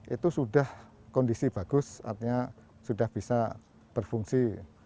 itu sudah kondisi bagus artinya sudah bisa berfungsi